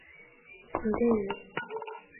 Ndeewo.